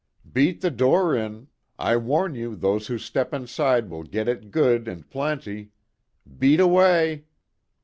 "Beat the door in! I warn you those who step inside will get it good and plenty! Beat away!"